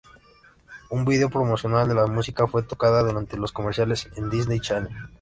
Un vídeo promocional de la música fue tocada durante los comerciales en Disney Channel.